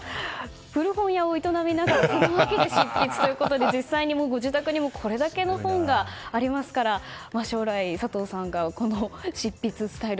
古本屋を営みながらその脇で執筆ということで実際にご自宅にもこれだけの本がありますから将来、佐藤さんがこの執筆スタイル